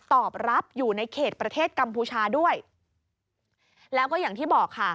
ตอบรับอยู่ในเขตประเทศกัมพูชาด้วยแล้วก็อย่างที่บอกค่ะ